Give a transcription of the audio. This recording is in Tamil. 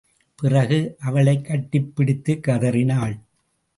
பிறகு அவளைக் கட்டிப் பிடித்துக் கதறினாள்.